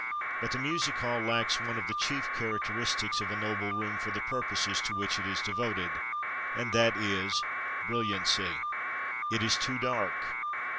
But the Music Hall lacks one of the chief characteristics of a noble room for the purposes to which it is devoted, and that is brilliancy. It is too dark.